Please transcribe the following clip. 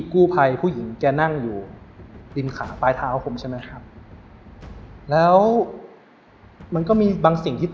คือผู้หญิงในน้ำมั้น